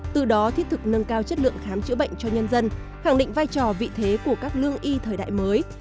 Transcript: từ đó thiết thực nâng cao chất lượng khám chữa bệnh cho nhân dân khẳng định vai trò vị thế của các lương y thời đại mới